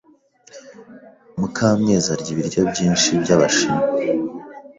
Mukamwezi arya ibiryo byinshi byabashinwa.